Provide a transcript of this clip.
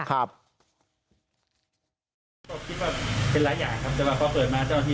ตัวคิดว่าเป็นหลายอย่างครับ